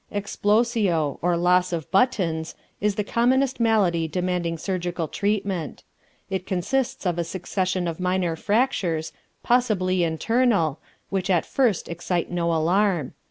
Explosio, or Loss of Buttons, is the commonest malady demanding surgical treatment. It consists of a succession of minor fractures, possibly internal, which at first excite no alarm.